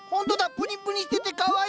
プニプニしててかわいい。